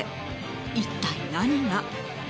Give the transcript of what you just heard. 一体、何が？